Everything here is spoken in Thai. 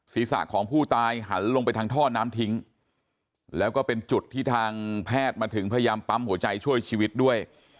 ศีรษะของผู้ตายหันลงไปทางท่อน้ำทิ้งแล้วก็เป็นจุดที่ทางแพทย์มาถึงพยายามปั๊มหัวใจช่วยชีวิตด้วย